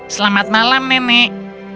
selamat malam nenek